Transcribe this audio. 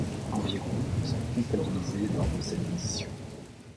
Environ sont comptabilisés lors de cette édition.